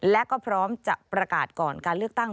และก็พร้อมจะประกาศก่อนการเลือกตั้ง